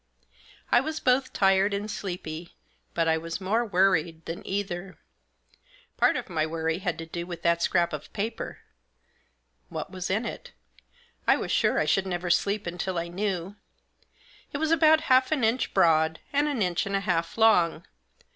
I was both tired and sleepy, but I was more worried than either. Part of my worry had to do with that scrap of paper. What was in it ? I was sure I should never sleep until I knew. It was about half an inch broad, and an inch and a half long.